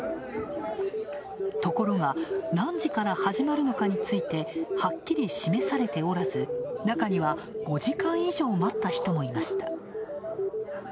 ところが、何時から始まるのかについて、はっきり示されておらず、中には５時間以上待った人もいました。